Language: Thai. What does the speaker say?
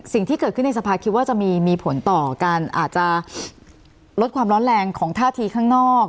สิ่งที่เกิดขึ้นในสภาคิดว่าจะมีผลต่อการอาจจะลดความร้อนแรงของท่าทีข้างนอก